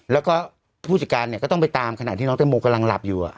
แล้วก็ผู้จัดการเนี่ยก็ต้องไปตามขณะที่น้องแตงโมกำลังหลับอยู่